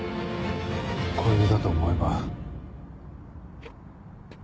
子犬だと思えば。